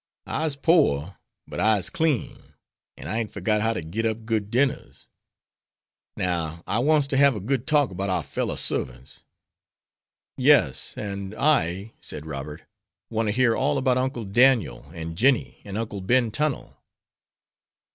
I'se pore, but I'se clean, an' I ain't forgot how ter git up good dinners. Now, I wants ter hab a good talk 'bout our feller sarvants." "Yes, and I," said Robert, "want to hear all about Uncle Daniel, and Jennie, and Uncle Ben Tunnel."